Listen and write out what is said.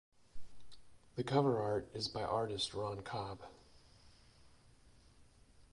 The cover art is by artist Ron Cobb.